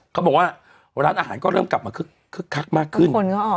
เขาบอกว่าร้านอาหารก็เริ่มกลับมาคึกคักมากขึ้น